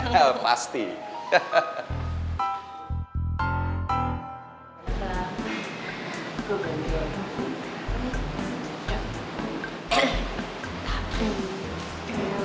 tidak perlu untuk kayak terlalu kira